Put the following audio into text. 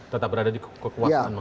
tetap berada di kekuasaan